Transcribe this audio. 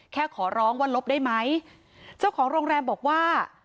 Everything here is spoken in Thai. ขอร้องว่าลบได้ไหมเจ้าของโรงแรมบอกว่า